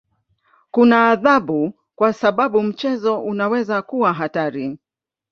Kuna adhabu kwa sababu mchezo unaweza kuwa hatari.